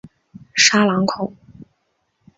沙朗孔。